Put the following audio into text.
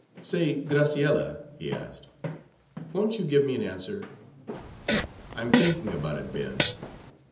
"Say, Graciella," he asked, "won't you give me an answer." "I'm thinking about it, Ben.